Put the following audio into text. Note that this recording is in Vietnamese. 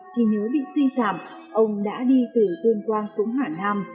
trí nhớ bị suy giảm ông đã đi từ tuyên quang xuống hà nam để tìm gặp người thân